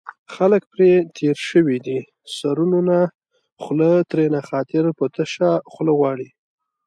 خلک پرې تېر شوي دي سرونو نه خوله ترېنه خاطر په تشه خوله غواړي